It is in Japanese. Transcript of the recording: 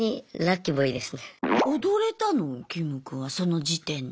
キム君はその時点で。